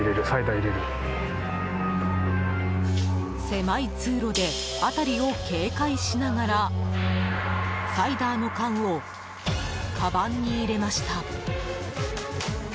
狭い通路で辺りを警戒しながらサイダーの缶をかばんに入れました。